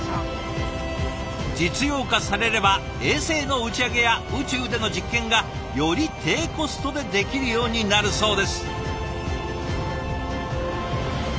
実用化されれば衛星の打ち上げや宇宙での実験がより低コストでできるようになるそうです。